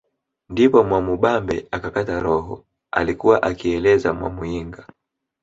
Ndipo Mwamubambe akakata roho alikuwa akieleza Mwamuyinga